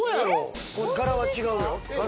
柄は違うよ。